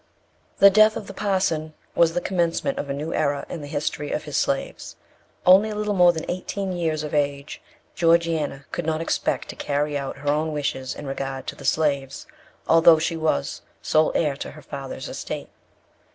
THE death of the parson was the commencement of a new era in the history of his slaves. Only a little more than eighteen years of age, Georgiana could not expect to carry out her own wishes in regard to the slaves, although she was sole heir to her father's estate.